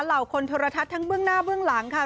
เหล่าคนโทรทัศน์ทั้งเบื้องหน้าเบื้องหลังค่ะ